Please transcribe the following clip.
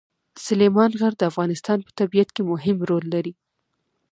سلیمان غر د افغانستان په طبیعت کې مهم رول لري.